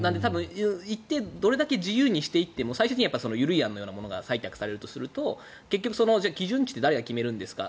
なので、一定どれだけ自由にしていってもその緩い案みたいなものが採択されるとなるとその基準値は誰が決めるんですか